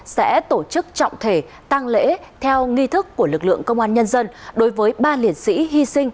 sẽ tổ chức trọng thể tăng lễ theo nghi thức của lực lượng công an nhân dân đối với ba liệt sĩ hy sinh